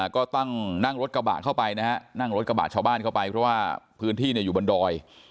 ก็ตั้งนั่งรถกระบะเข้าไปนะฮะนั่งรถกระบะชาวบ้านเข้าไปเพราะว่าพื้นที่อยู่บนดอย